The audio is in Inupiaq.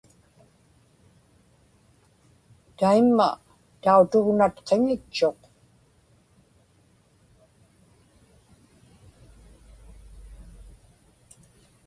taimma tautugnatqiŋitchuq